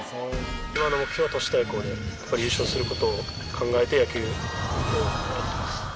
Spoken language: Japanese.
今の目標は都市対抗で優勝することを考えて野球をやってます